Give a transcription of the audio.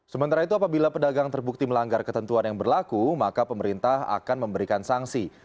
sementara itu apabila pedagang terbukti melanggar ketentuan yang berlaku maka pemerintah akan memberikan sanksi